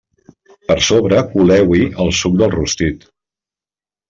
Per sobre coleu-hi el suc del rostit.